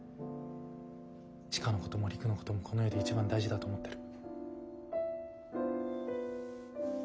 千佳のことも璃久のこともこの世で一番大事だと思ってる。